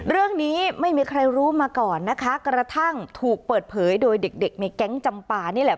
ไม่มีใครรู้มาก่อนนะคะกระทั่งถูกเปิดเผยโดยเด็กเด็กในแก๊งจำปานี่แหละ